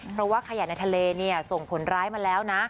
เพราะว่าขยะในทะเลส่งผลร้ายมาแล้วนะ